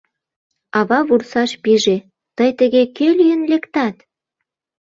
Ава вурсаш пиже: «Тый тыге кӧ лийын лектат?